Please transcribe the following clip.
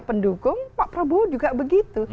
pendukung pak prabowo juga begitu